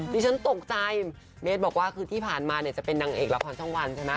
ดิฉันตกใจเบชบอกว่าที่ผ่านมาจะเป็นนางเอกละครช่องวันใช่มะ